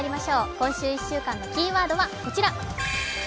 今週１週間のキーワードはこちら、「国」。